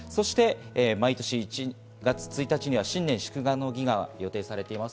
毎年１月１日には新年祝賀の儀が予定されています。